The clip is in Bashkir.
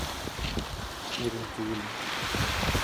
Ирең түгелме?